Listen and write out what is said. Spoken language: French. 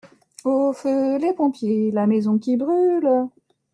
Au feu les pompiers, la maison qui brûle.